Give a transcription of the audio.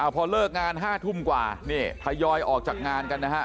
พอเลิกงาน๕ทุ่มกว่านี่ทยอยออกจากงานกันนะฮะ